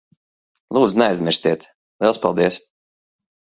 Lūdzu, neaizmirstiet. Liels paldies.